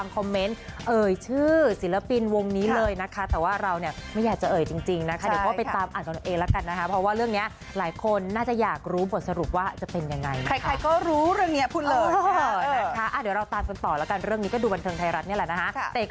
เอ่ยชื่อศิลปินวงนี้เลยนะคะแต่ว่าเราเนี่ยไม่อยากจะเอ่ยจริงนะคะเดี๋ยวก็ไปตามอ่านกันเองแล้วกันนะคะเพราะว่าเรื่องนี้หลายคนน่าจะอยากรู้บทสรุปว่าจะเป็นยังไงใครก็รู้เรื่องนี้คุณเลยนะคะเดี๋ยวเราตามกันต่อแล้วกันเรื่องนี้ก็ดูบันเทิงไทยรัฐนี่แหละนะคะ